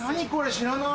知らない。